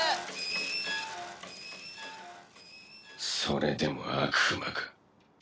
それでも悪魔か。